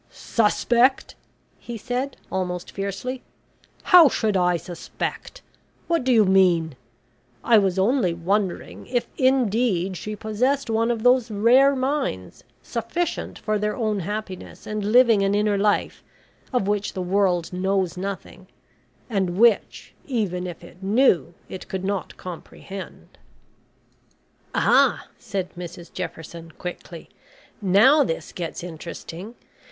"Suspect!" he said, almost fiercely. "How should I suspect? What do you mean? I was only wondering if indeed she possessed one of those rare minds, sufficient for their own happiness, and living an inner life of which the world knows nothing, and which, even if it knew, it could not comprehend." "Ah," said Mrs Jefferson, quickly. "Now this gets interesting.